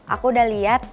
aku udah liat